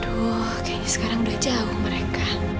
aduh kayaknya sekarang udah jauh mereka